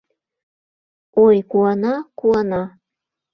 Ой, куана, куана